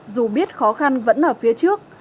dù biết khó khăn vẫn ở phía trước